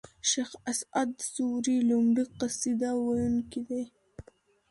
شېخ اسعد سوري لومړی قصيده و يونکی دﺉ.